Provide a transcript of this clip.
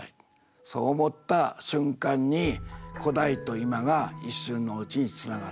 そう思った瞬間に古代と今が一瞬のうちにつながった。